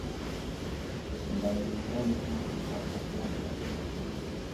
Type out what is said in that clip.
Kanda ulinga yuma ngwe kaphuphuta.